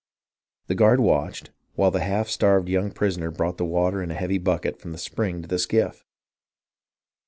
The guard watched, while the half starved young prisoner brought the water in a heavy bucket from the spring to the skiff.